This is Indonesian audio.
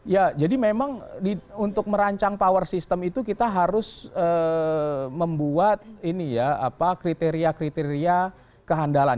ya jadi memang untuk merancang power system itu kita harus membuat ini ya kriteria kriteria kehandalan